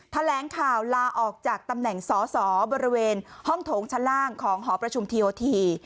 แถลงข่าวลาออกจากตำแหน่งสอสอบริเวณห้องโถงชั้นล่างของหอประชุมทีโอที